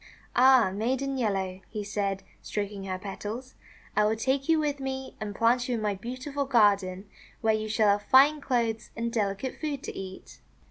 "Ah, Maiden Yellow," he said, stroking her petals, <f*I will take you with me, and plant you in my beautiful garden, where you shall have fine clothes and delicate food to eat."